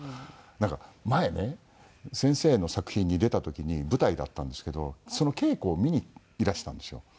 なんか前ね先生の作品に出た時に舞台だったんですけどその稽古を見にいらしたんですよ。